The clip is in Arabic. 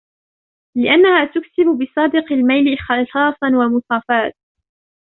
لِأَنَّهَا تُكْسِبُ بِصَادِقِ الْمَيْلِ إخْلَاصًا وَمُصَافَاةً